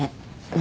何？